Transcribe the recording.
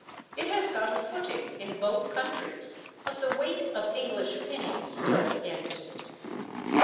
It has got a footing in both countries, but the weight of English opinion is still against it.